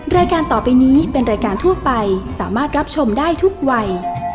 รายการต่อไปนี้เป็นรายการทั่วไปสามารถรับชมได้ทุกวัย